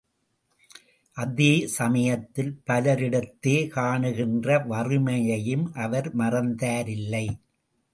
அதே சமயத்தில் பலரிடத்தே காணுகின்ற வறுமையையும் அவர் மறந்தாரில்லை.